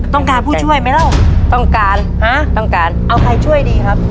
ต้องการผู้ช่วยไหมเล่าต้องการฮะต้องการเอาใครช่วยดีครับ